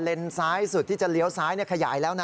ซ้ายสุดที่จะเลี้ยวซ้ายขยายแล้วนะ